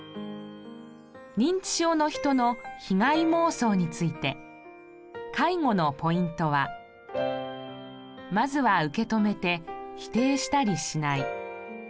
認知症の人の被害妄想について介護のポイントはまずは受け止めて否定したりしない。